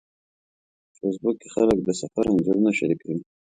په فېسبوک کې خلک د سفر انځورونه شریکوي